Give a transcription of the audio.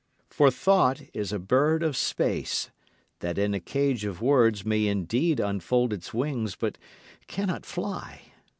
For thought is a bird of space, that in a cage of words may indeed unfold its wings but cannot fly.